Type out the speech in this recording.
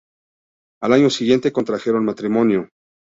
Al año siguiente contrajeron matrimonio.